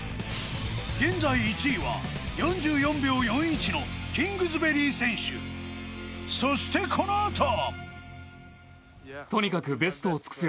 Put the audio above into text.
現在１位は４４秒４１のキングズベリー選手そしてこのあと！